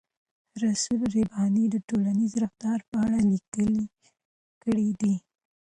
رسول رباني د ټولنیز رفتار په اړه لیکل کړي دي.